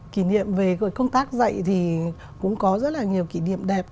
kỷ niệm về công tác dạy thì cũng có rất là nhiều kỷ niệm đẹp